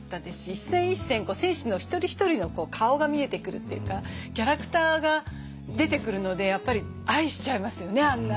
一戦一戦選手の一人一人の顔が見えてくるというかキャラクターが出てくるのでやっぱり愛しちゃいますよねあんな。